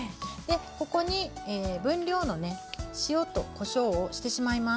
ここに分量のね塩とこしょうをしてしまいます。